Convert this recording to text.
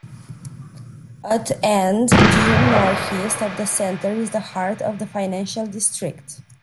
At and due northeast of the centre is the heart of the Financial District.